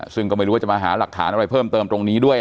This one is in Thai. ซึ่งก็ไม่รู้ว่าจะมาหาหลักฐานอะไรเพิ่มเติมตรงนี้ด้วย